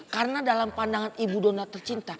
karena dalam pandangan ibu donat tercinta